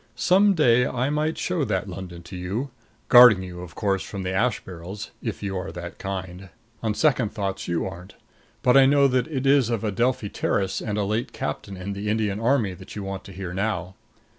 Some day I might show that London to you guarding you, of course, from the ash barrels, if you are that kind. On second thoughts, you aren't. But I know that it is of Adelphi Terrace and a late captain in the Indian Army that you want to hear now.